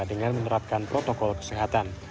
dengan menerapkan protokol kesehatan